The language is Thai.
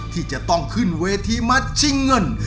ที่จะต้องขึ้นเวทีมาชิงเงิน